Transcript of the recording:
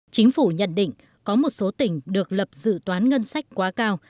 chính phủ nhận định có một số tỉnh được lập dự toán ngân sách quá cao